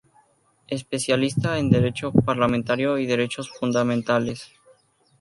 Especialista en Derecho Parlamentario y Derechos Fundamentales.